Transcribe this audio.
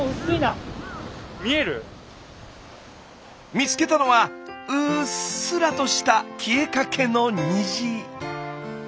見つけたのはうっすらとした消えかけの虹。